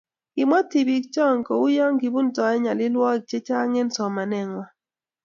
Kimwa tibiik choe ko uu ye kibuntoe nyalilwokik che chang eng somanee ngwang.